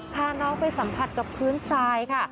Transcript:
พาน้องไปสัมผัสกับพื้นทรายค่ะ